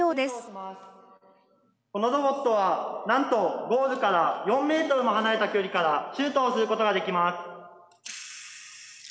このロボットはなんとゴールから４ｍも離れた距離からシュートをすることができます。